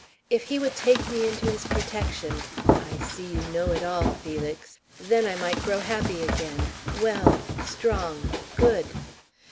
If he would take me into his protection (I see you know it all, Felix) then I might grow happy again well strong good.